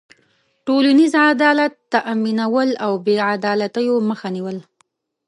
ټولنیز عدالت تأمینول او بېعدالتيو مخه نېول.